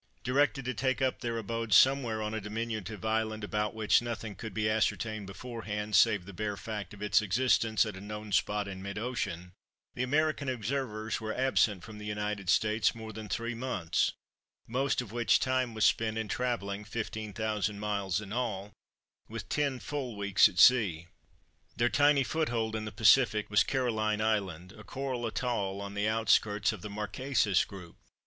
Directed to take up their abode somewhere on a diminutive island about which nothing could be ascertained beforehand, save the bare fact of its existence at a known spot in mid ocean, the American observers were absent from the United States more than three months, most of which time was spent in travelling, 15,000 miles in all, with ten full weeks at sea. Their tiny foothold in the Pacific was Caroline Island, a coral atoll on the outskirts of the Marquesas group."